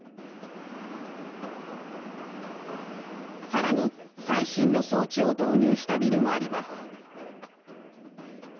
さらに、最新の装置を導入したビルもあります。